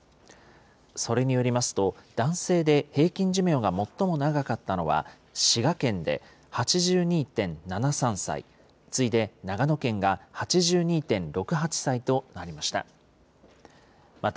それによりますと、男性で平均寿命が最も長かったのは滋賀県で８２．７３歳、次いで長野県が８２．６８歳となりました。